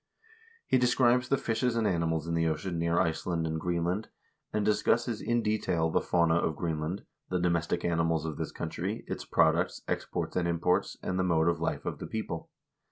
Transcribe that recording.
1 He describes the fishes and animals in the ocean near Iceland and Greenland, and discusses in detail the fauna of Greenland, the domestic animals of this country, its products, exports and imports, and the mode of life of the people.